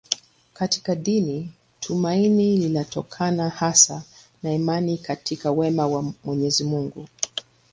Katika dini tumaini linatokana hasa na imani katika wema wa Mwenyezi Mungu.